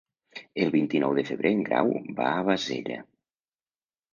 El vint-i-nou de febrer en Grau va a Bassella.